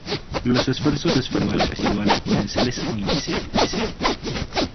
Los esfuerzos residuales pueden ser deseables o indeseables.